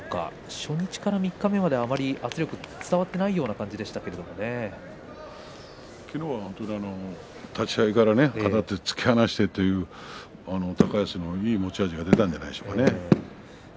初日から三日目まで圧力が伝わっていないような昨日は立ち合いから突き放してという高安のいい動きが出たんじゃないでしょうかね。